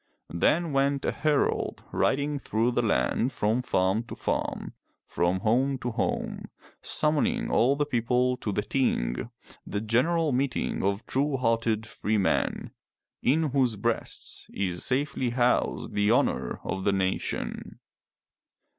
Then went a herald riding through the land from farm to farm, from home to home, summoning all the people to the Ting, the genera] meeting of true hearted free men, in whose breasts is safely housed the honor of the nation.